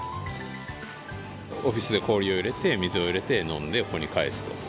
オフィスで氷を入れて、水を入れて飲んで、ここに返すと。